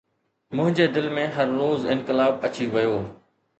منهنجي دل ۾ هر روز انقلاب اچي ويو